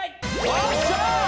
よっしゃー！